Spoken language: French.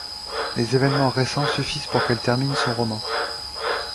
Les évènements récents suffisent pour qu'elle termine son roman.